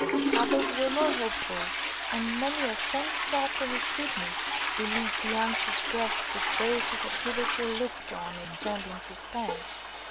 Others were more hopeful, and many a "Thank God for His goodness" relieved the anxious breasts of those who had hitherto looked on in trembling suspense.